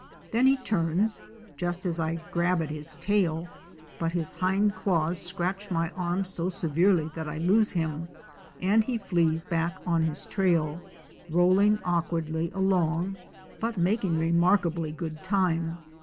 Then he turns, just as I grab at his tail, but his hind claws scratch my arm so severely that I loose him, and he flees back on his trail — rolling awkwardly along but making remark ably good time.